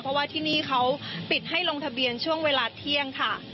เพราะว่าที่นี่เขาปิดให้ลงทะเบียนช่วงเวลาเที่ยงค่ะ